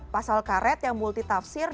pasal karet yang multitafsir